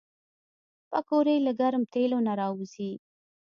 پکورې له ګرم تیلو نه راوځي